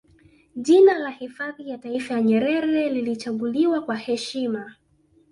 Jina la Hifadhi ya Taifa ya Nyerere lilichaguliwa kwa heshima